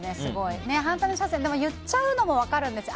でも反対車線って言っちゃうのも分かるんです。